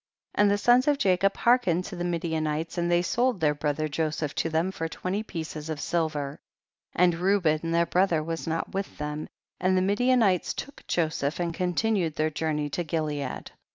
19. And the sons of Jacob hear kened to the Midianites and they sold their brother Joseph to them for twenty pieces of silver, and Reuben their brother was not with them, and the Midianites took Joseph and con tinued their journey to Gilead.